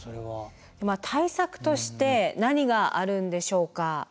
対策として何があるんでしょうか？